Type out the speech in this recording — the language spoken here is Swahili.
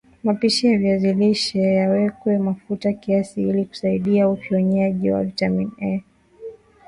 mapishi ya viazi lishe yawekwe mafuta kiasi ili kusaidia ufyonzaji wa vitamini A